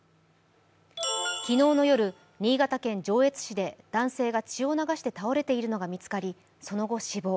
昨日の夜、新潟県上越市で男性が血を流して倒れているのが見つかりその後、死亡。